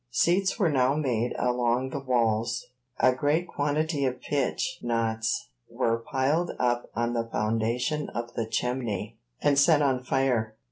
Seats were now made along the walls; a great quantity of pitch knots were piled up on the foundation of the chimney, and set on fire.